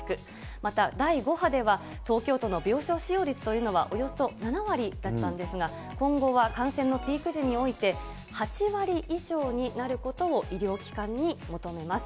また、第５波では東京都の病床使用率というのはおよそ７割だったんですが、今後は感染のピーク時において、８割以上になることを医療機関に求めます。